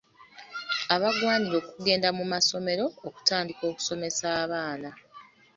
Abagwanira okugenda mu masomero okutandika okusomesa abaana.